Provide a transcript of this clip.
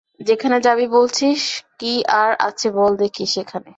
সেখানে যাবি বলছিস, কি আর আছে বল দেখি সেখানে?